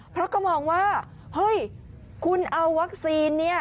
เพราะก็มองว่าเฮ้ยคุณเอาวัคซีนเนี่ย